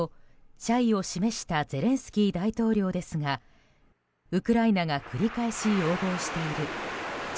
謝意を示したゼレンスキー大統領ですがウクライナが繰り返し要望している地